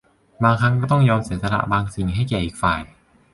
บางครั้งก็ต้องยอมเสียสละบางสิ่งให้แก่อีกฝ่าย